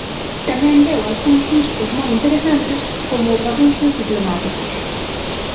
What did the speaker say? Tamén deu algúns discos moi interesantes como o Parrús dos Diplomáticos.